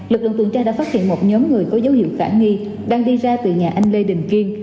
lực lượng tuần tra đã phát hiện một nhóm người có dấu hiệu khả nghi đang đi ra từ nhà anh lê đình kiên